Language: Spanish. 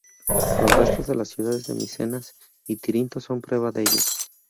Los restos de las ciudades de Micenas y Tirinto son prueba de ello.